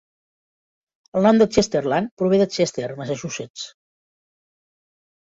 El nom de Chesterland prové de Chester, Massachusetts.